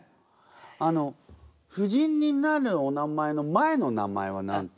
あの夫人になるお名前の前の名前は何て言うんですか？